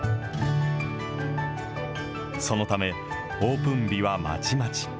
そのため、オープン日はまちまち。